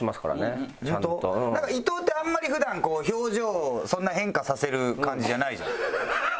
なんか伊藤ってあんまり普段表情そんな変化させる感じじゃないじゃん。